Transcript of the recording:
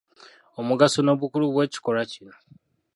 Omugaso n'obukulu bw'ekikolwa kino.